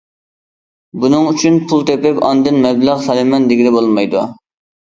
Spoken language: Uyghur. بۇنىڭ ئۈچۈن پۇل تېپىپ ئاندىن مەبلەغ سالىمەن دېگىلى بولمايدۇ.